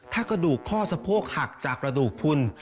ถ้ากระดูกข้อสะโพกหักจากกระดูกคุณ